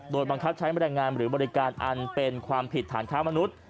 โดยบังคับใช้แรงงานหรือบริการอันเป็นความผิดฐานค้ามนุษย์